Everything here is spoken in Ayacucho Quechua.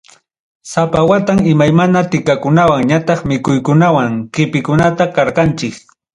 Sapa watam imaymana tikakunawan ñataq mikuykunawan qipikunata qarkanchik.